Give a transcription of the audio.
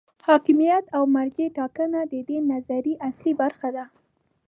حاکمیت او مرجع ټاکنه د دې نظریې اصلي برخې دي.